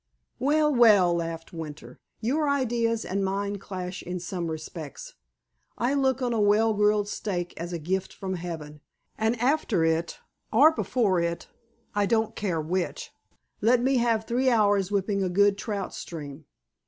"Well, well!" laughed Winter. "Your ideas and mine clash in some respects. I look on a well grilled steak as a gift from Heaven, and after it, or before it—I don't care which—let me have three hours whipping a good trout stream.